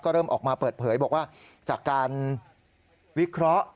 เริ่มออกมาเปิดเผยบอกว่าจากการวิเคราะห์